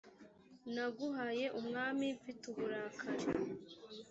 naguhaye umwami mfite uburakari